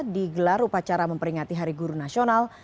digelar upacara memperingati hari guru nasional